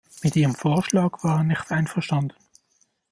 Mit ihrem Vorschlag war er nicht einverstanden.